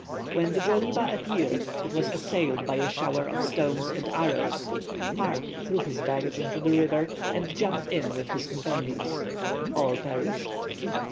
When the Djoliba appeared it was assailed by a shower of stones and arrows. Park threw his baggage into the river, and jumped in with his companions. All perished.